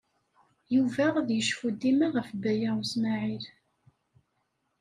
Yuba ad yecfu dima ɣef Baya U Smaɛil.